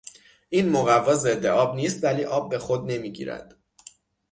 این مقوا ضد آب نیست ولی آب به خود نمیگیرد.